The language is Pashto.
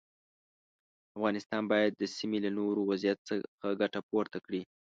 افغانستان باید د سیمې له نوي وضعیت څخه ګټه پورته کړي.